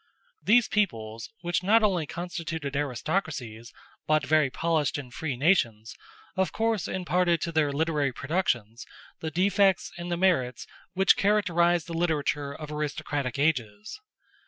These peoples, which not only constituted aristocracies, but very polished and free nations, of course imparted to their literary productions the defects and the merits which characterize the literature of aristocratic ages.